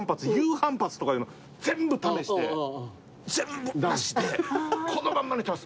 反発とかいうの全部試して全部なしでこのまんま寝てます。